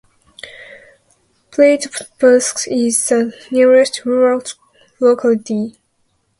Pyatovsk is the nearest rural locality.